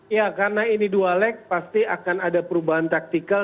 ya karena ini dua leg pasti akan ada perubahan taktikal